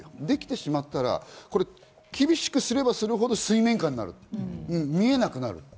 できてしまったら厳しくすればするほど、水面下になる、見えなくなる。